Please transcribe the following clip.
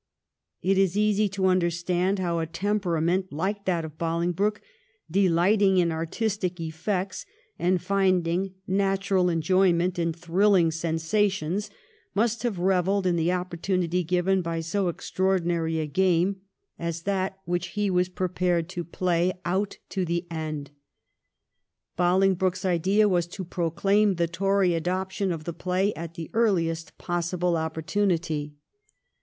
It is easy to understand how a temperament like that of Bolingbroke, delighting in artistic effects, and finding natural enjoyment in thrilling sensations, must have revelled in the oppor tunity given by so extraordinary a game as that which 1713 RIVAL DEMONSTRATIONS. 285 he was prepared to play out to the end. Bohng broke's idea was to proclaim the Tory adoption of the play at the earUest possible opportunity.